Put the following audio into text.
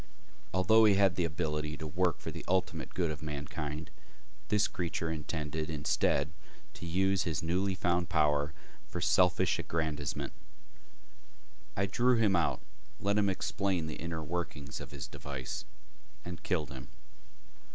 Although he had the ability to work for the ultimate good of mankind, this creature intended, instead, to use his newly found power for selfish aggrandizement. I drew him out, let him explain the inner workings of his device and killed him.